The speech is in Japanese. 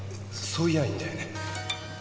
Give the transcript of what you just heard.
そう言やいいんだよね？